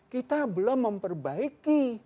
kita belum memperbaiki